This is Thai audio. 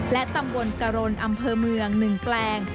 และตำบลกรณอำเภอเมือง๑แปลง